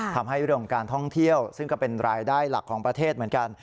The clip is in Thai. ทำให้เรื่องของการท่องเที่ยวซึ่งก็เป็นรายได้หลักของประเทศเหมือนกัน